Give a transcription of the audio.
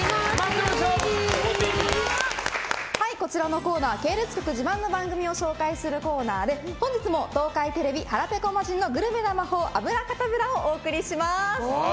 こちらのコーナー、系列自慢の番組を紹介するコーナーで本日も東海テレビ「腹ペコ魔人のグルメな魔法脂過多ブラ」をお送りします。